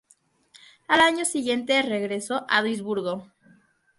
Al año siguiente regresó al Duisburgo.